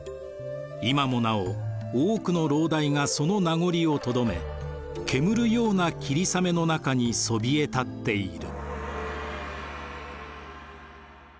今もなお多くの楼台がその名残をとどめ煙るような霧雨の中にそびえたっている」。